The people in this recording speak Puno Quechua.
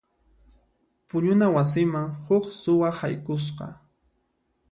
Puñuna wasiman huk suwa haykusqa.